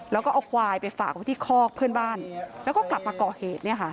แล้วก็เอาควายไปฝากไว้ที่คอกเพื่อนบ้านแล้วก็กลับมาก่อเหตุเนี่ยค่ะ